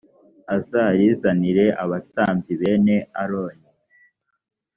azarizanire abatambyi bene aroni